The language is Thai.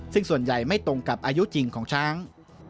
ซึ่งส่วนใหญ่ไม่ตรงกับอายุจริงของช้าง